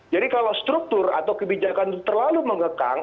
jadi kalau struktur atau kebijakan terlalu mengekang